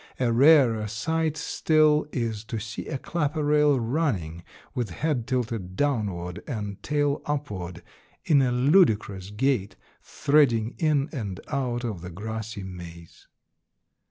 A rarer sight still is to see a clapper rail running, with head tilted downward and tail upward, in a ludicrous gait, threading in and out of the grassy maze."